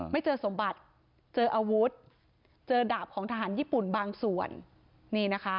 ไม่เจอสมบัติเจออาวุธเจอดาบของทหารญี่ปุ่นบางส่วนนี่นะคะ